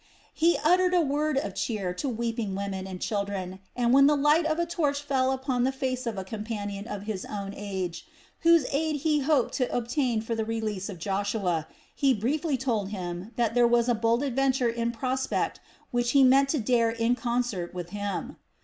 He uttered a word of cheer to weeping women and children and, when the light of a torch fell upon the face of a companion of his own age, whose aid he hoped to obtain for the release of Joshua, he briefly told him that there was a bold adventure in prospect which he meant to dare in concert with him.